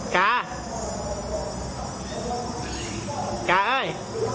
กากาเอ้ย